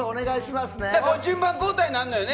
順番交代になるのよね。